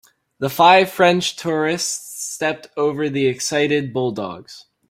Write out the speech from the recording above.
The five French tourists stepped over the excited bulldogs.